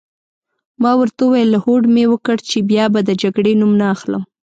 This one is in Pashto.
ما ورته وویل: هوډ مي وکړ چي بیا به د جګړې نوم نه اخلم.